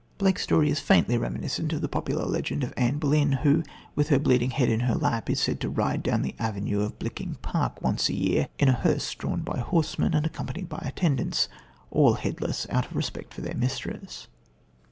Blake's story is faintly reminiscent of the popular legend of Anne Boleyn, who, with her bleeding head in her lap, is said to ride down the avenue of Blickling Park once a year in a hearse drawn by horsemen and accompanied by attendants, all headless out of respect to their mistress.